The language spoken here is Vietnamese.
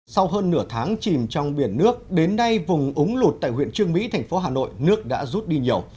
sau hơn nửa tháng chìm trong biển nước đến nay vùng ống lụt tại huyện trương mỹ thành phố hà nội nước đã rút đi nhiều